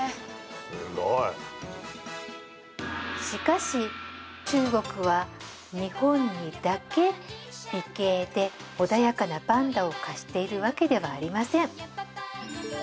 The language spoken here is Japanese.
しかし中国は日本にだけ美形で穏やかなパンダを貸しているわけではありません例えば